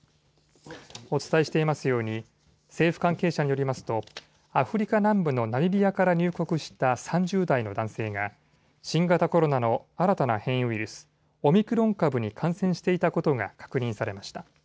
お伝えしていますように政府関係者によりますとアフリカ南部のナミビアから入国した３０代の男性が新型コロナの新たな変異ウイルス、オミクロン株に感染していたことが確認されました。